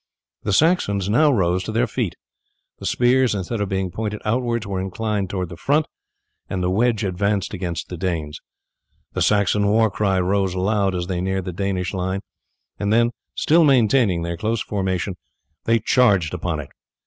The Saxons now rose to their feet. The spears, instead of being pointed outwards, were inclined towards the front, and the wedge advanced against the Danes. The Saxon war cry rose loud as they neared the Danish line, and then, still maintaining their close formation, they charged upon it.